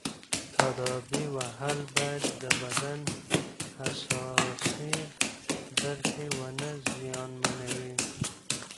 تاديبي وهل باید د بدن حساسې برخې ونه زیانمنوي.